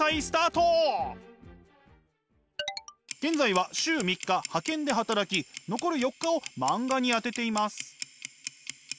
現在は週３日派遣で働き残る４日を漫画に充てています。